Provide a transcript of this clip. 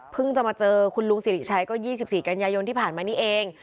จะมาเจอคุณลุงสิริชัยก็๒๔กันยายนที่ผ่านมานี้เอง